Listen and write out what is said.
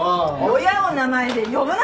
親を名前で呼ぶな！